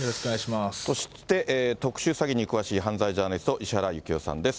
そして特殊詐欺に詳しい犯罪ジャーナリスト、石原行雄さんです。